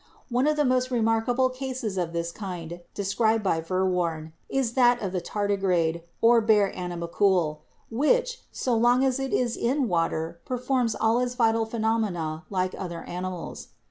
One of the most remarkable cases of this kind described by Verworn is that of the tardigrade, or bear animalcule, which, so long as it is in water, performs all its vital phenomena like other animals.